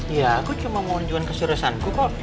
ya aku cuma mau menjual keserasanku kok